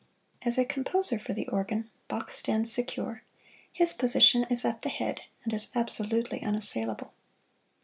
As a composer for the organ, Bach stands secure his position is at the head, and is absolutely unassailable.